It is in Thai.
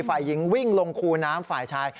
ฝ่ายหญิงวิ่งลงคูน้ำฝ่ายชาย